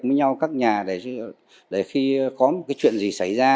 với nhau các nhà để khi có một cái chuyện gì xảy ra